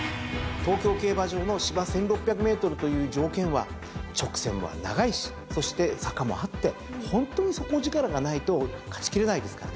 東京競馬場の芝１，６００ｍという条件は直線は長いしそして坂もあってホントに底力がないと勝ちきれないですからね。